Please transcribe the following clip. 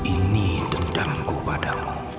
ini dendamku padamu